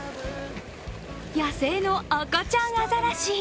野生の赤ちゃんアザラシ。